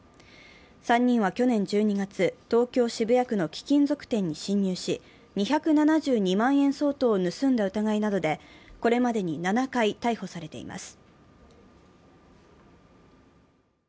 ３人は去年１２月、東京・渋谷区の貴金属店に侵入し２７２万円相当を盗んだ疑いなどでこれまでに７回逮捕されています。